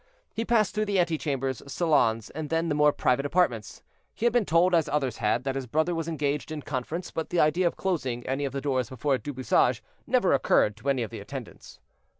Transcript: He passed through the antechambers, salons, and then the more private apartments. He had been told, as others had, that his brother was engaged in conference; but the idea of closing any of the doors before Du Bouchage never occurred to any of the attendants.